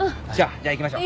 じゃあ行きましょう。